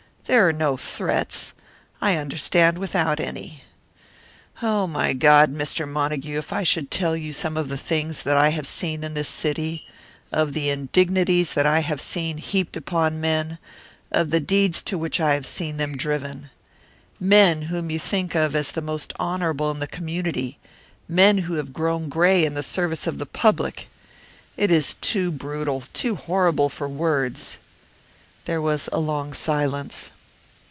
There are no threats; I understand without any. Oh, my God, Mr. Montague, if I should tell you of some of the things that I have seen in this city of the indignities that I have seen heaped upon men, of the deeds to which I have seen them driven. Men whom you think of as the most honourable in the community men who have grown grey in the service of the public! It is too brutal, too horrible for words!" There was a long silence.